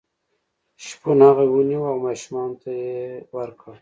شپون هغه ونیو او ماشومانو ته یې ورکړ.